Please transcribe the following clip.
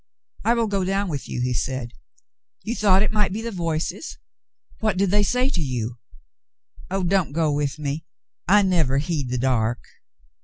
"I will go down with you," he said, "you thought it might be the voices ? What did they say to you ?". "Oh, don't go with me. I never heed the dark."